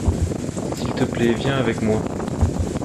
S’il te plait viens avec moi.